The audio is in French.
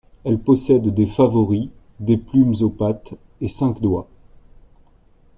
Elle possède des favoris, des plumes aux pattes et cinq doigts.